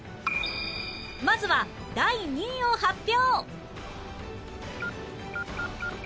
まずは第２位を発表